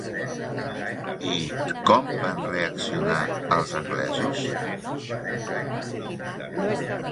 I com van reaccionar els anglesos?